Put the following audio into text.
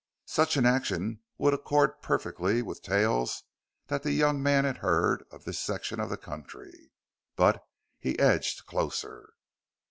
Such an action would accord perfectly with tales that the young man had heard of this section of the country. But he edged closer.